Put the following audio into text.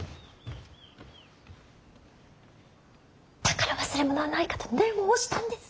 だから忘れ物はないかと念を押したんです！